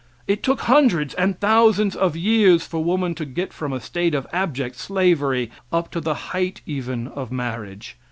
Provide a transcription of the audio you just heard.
It took hundreds and thousands of years for woman to get from a state of abject slavery up to the height even of marriage.